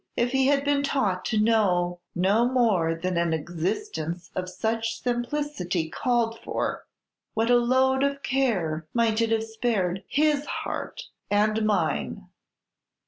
If he had been taught to know no more than an existence of such simplicity called for, what a load of care might it have spared his heart and _mine!